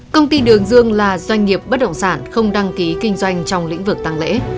công ty đường dương là doanh nghiệp bất động sản không đăng ký kinh doanh trong lĩnh vực tăng lễ